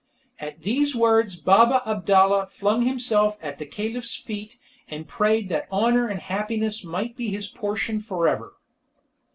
At these words Baba Abdalla flung himself at the Caliph's feet, and prayed that honour and happiness might be his portion for ever.